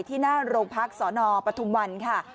ที่หน้าโรงพักสนปฐุมวันค่ะ